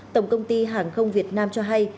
tổng công ty hàng không việt nam cho hay